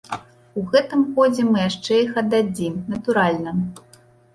У гэтым годзе мы яшчэ іх аддадзім, натуральна.